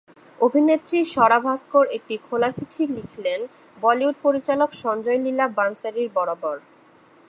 অভিনেত্রী স্বরা ভাস্কর একটি খোলা চিঠি লিখলেন বলিউড পরিচালক সঞ্জয়লীলা বানসালী বরাবর।